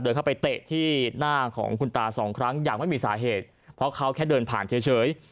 เข้าไปเตะที่หน้าของคุณตาสองครั้งอย่างไม่มีสาเหตุเพราะเขาแค่เดินผ่านเฉย